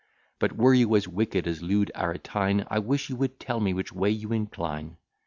But were you as wicked as lewd Aretine, I wish you would tell me which way you incline.